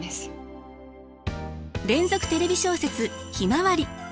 連続テレビ小説「ひまわり」。